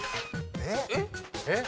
えっ？